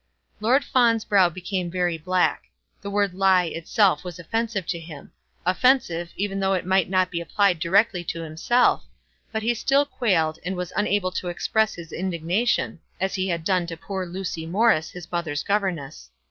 Lord Fawn's brow became very black. The word "lie" itself was offensive to him, offensive, even though it might not be applied directly to himself; but he still quailed, and was unable to express his indignation, as he had done to poor Lucy Morris, his mother's governess.